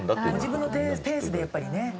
自分のペースでやっぱりね。